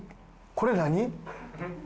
これ何？